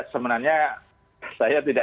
sebenarnya saya tidak